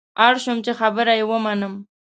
اړ شوم چې خبره یې ومنم.